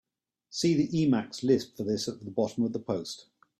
See the Emacs lisp for this at the bottom of the post.